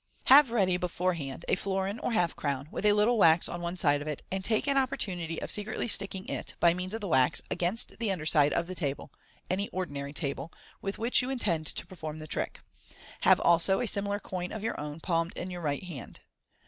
—Have ready beforehand a florin or half crown, with a little wax on one side of it, and take an opportunity of secretly sticking it, by means of the wax, against the under side of the table (any ordinary table) with which you intend to perform the trick. Have also a similar coin of your own palmed in your right hand.